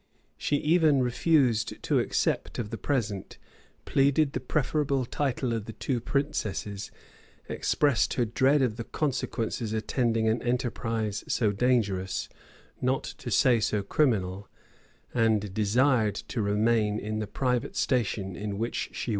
She even refused to accept of the present; pleaded the preferable title of the two princesses; expressed her dread of the consequences attending an enterprise so dangerous, not to say so criminal; and desired to remain in the private station in which she was born.